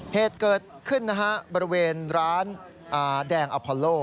เหตุเกิดขึ้นนะฮะบริเวณร้านแดงอพอโล